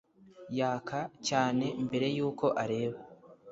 Yaka cyane mbere yuko areba